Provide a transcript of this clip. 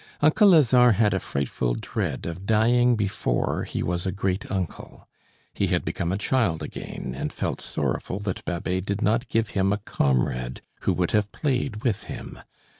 Uncle Lazare had a frightful dread of dying before he was a great uncle. He had become a child again, and felt sorrowful that Babet did not give him a comrade who would have played with him.